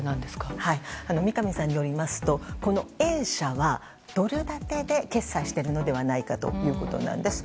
三上さんによりますとこのＡ社はドル建てで決済しているのではないかということです。